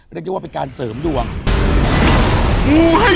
เรียกว่าเป็นการเสริมรวม